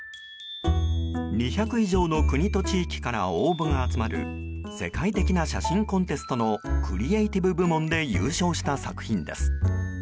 ２００以上の国と地域から応募が集まる世界的な写真コンテストのクリエーティブ部門で優勝した作品です。